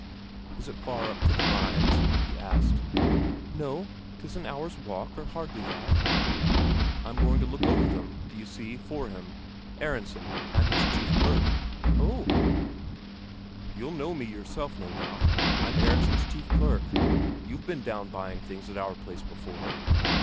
"Is it far up to the mines?" he asked. "No, 'tis an hour's walk, or hardly that." "I'm going up to look over them, d'you see, for him, Aronsen I'm his chief clerk." "Ho!" "You'll know me yourself, no doubt; I'm Aronsen's chief clerk. You've been down buying things at our place before."